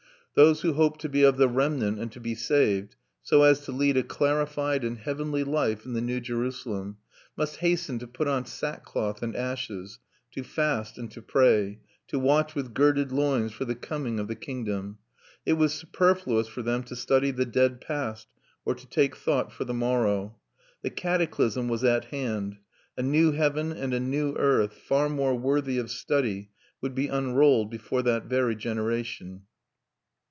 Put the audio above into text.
Those who hoped to be of the remnant and to be saved, so as to lead a clarified and heavenly life in the New Jerusalem, must hasten to put on sackcloth and ashes, to fast and to pray, to watch with girded loins for the coming of the kingdom; it was superfluous for them to study the dead past or to take thought for the morrow. The cataclysm was at hand; a new heaven and a new earth far more worthy of study would be unrolled before that very generation.